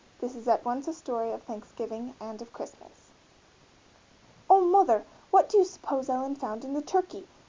This is at once a story of Thanksgiving and of Christmas. "Oh, mother! what do you suppose Ellen found in the turkey?